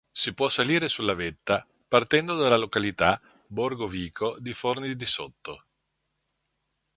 Si può salire sulla vetta partendo dalla località Borgo Vico di Forni di Sotto.